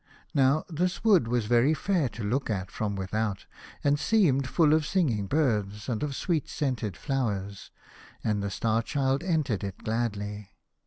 Now this wood was very fair to look at trom without, and seemed full of singing birds and of sweet scented dowers, and the Star Child entered it gladly.